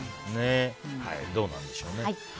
どうなんでしょうね。